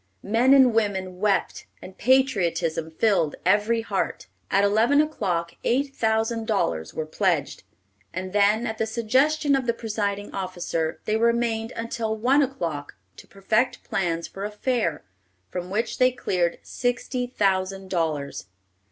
Men and women wept, and patriotism filled every heart. At eleven o'clock eight thousand dollars were pledged, and then, at the suggestion of the presiding officer, they remained until one o'clock to perfect plans for a fair, from which they cleared sixty thousand dollars.